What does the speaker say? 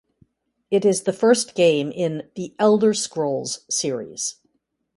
It is the first game in "The Elder Scrolls" series.